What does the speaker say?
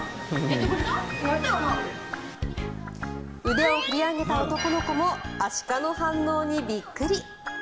腕を振り上げた男の子もアシカの反応にびっくり。